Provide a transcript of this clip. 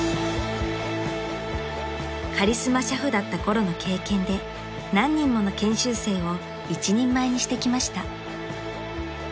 ［カリスマ俥夫だったころの経験で何人もの研修生を一人前にしてきました］